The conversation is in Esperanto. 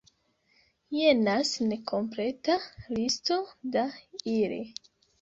Jenas nekompleta listo da ili.